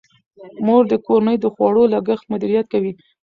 مور د کورنۍ د خوړو لګښت مدیریت کوي.